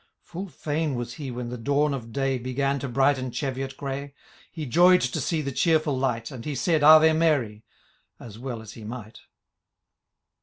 Full fiun was he when the dawn of day Began to brighten Cheviot grey ; He joy'd to see the cheerful light. And he said Ave Mary, as well as he might.